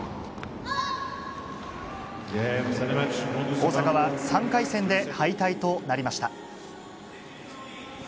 大坂は３回戦で敗退となりました。